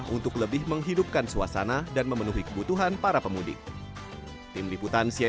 untuk lebih menghidupkan suasana dan memenuhi kebutuhan para pemudik